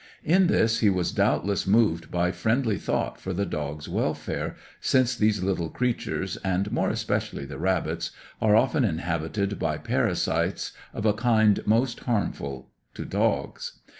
In this he was doubtless moved by friendly thought for the dogs' welfare, since these little creatures, and more especially the rabbits, are often inhabited by parasites of a kind most harmful to dogs.